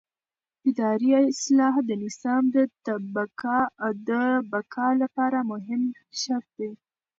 اداري اصلاح د نظام د بقا لپاره مهم شرط دی